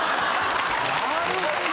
なるほど！